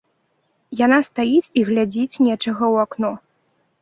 Яна стаіць і глядзіць нечага ў акно.